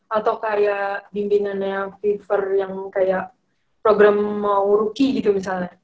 atau kayak bimbingan yang fever yang kayak program mau rookie gitu misalnya